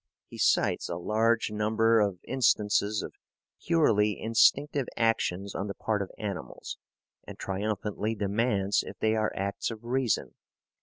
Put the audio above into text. He cites a large number of instances of purely instinctive actions on the part of animals, and triumphantly demands if they are acts of reason.